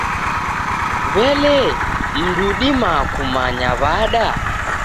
W'ele, mndu udimaa kumanya w'ada?